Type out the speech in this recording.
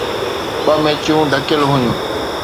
ٻه ميچون ڍڪيل هيون.